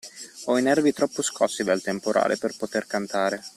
Ho i nervi troppo scossi dal temporale, per poter cantare.